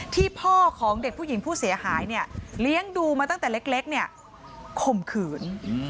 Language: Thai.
พ่อของเด็กผู้หญิงผู้เสียหายเนี่ยเลี้ยงดูมาตั้งแต่เล็กเนี่ยข่มขืน